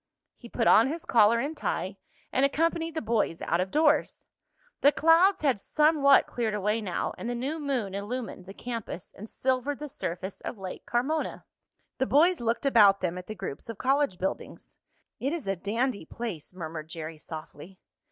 He put on his collar and tie and accompanied the boys out of doors. The clouds had somewhat cleared away now and the new moon illumined the campus and silvered the surface of Lake Carmona. The boys looked about them at the groups of college buildings. "It is a dandy place!" murmured Jerry softly.